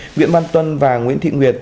nguyễn văn tuân và nguyễn thị nguyệt